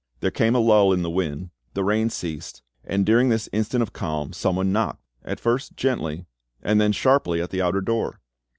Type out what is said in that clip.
There came a lull in the wind, the rain ceased, and during this instant of calm someone knocked, at first gently, and then sharply, at the outer door.